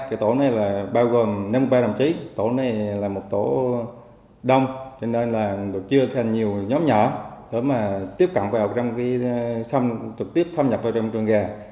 cái tổ này là bao gồm năm ba đồng chí tổ này là một tổ đông cho nên là chia thành nhiều nhóm nhỏ để mà tiếp cận vào trong trực tiếp thâm nhập vào trong trường gà